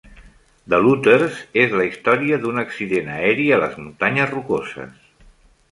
"The Looters" és la història d'un accident aeri a les Muntanyes Rocoses.